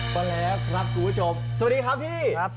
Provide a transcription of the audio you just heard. ก็แล้วครับคุณผู้ชมสวัสดีครับพี่